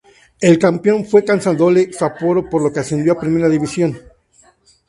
El campeón fue Consadole Sapporo, por lo que ascendió a Primera División.